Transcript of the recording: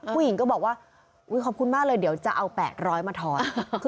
ผู้หญิงก็บอกว่าขอบคุณมากเลยเดี๋ยวจะเอา๘๐๐มาทอน